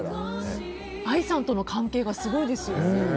ＡＩさんとの関係がすごいですね。